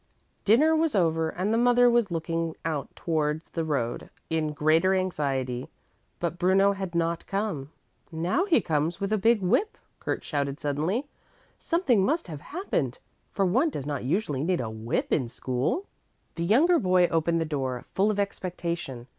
Dinner was over and the mother was looking out towards the road in greater anxiety, but Bruno had not come. "Now he comes with a big whip," Kurt shouted suddenly. "Something must have happened, for one does not usually need a whip in school." The younger boy opened the door, full of expectation.